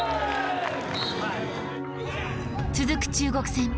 続く中国戦。